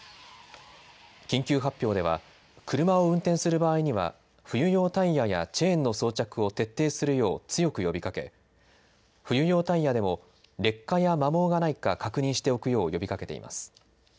緊急発表では車を運転する場合には冬用タイヤやチェーンの装着を徹底するよう強く呼びかけ冬用タイヤでも劣化や摩耗がないか確認しておくよう呼びかけています。